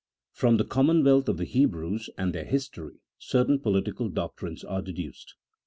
FROM THE COMMONWEALTH OF THE HEBREWS, AND THEIR HISTORY, CERTAIN POLITICAL DOCTRINES ARE DEDUCED.